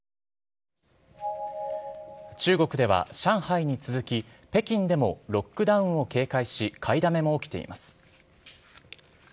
中国では上海に続き、北京でもロックダウンを警戒し、買いだめも起きています。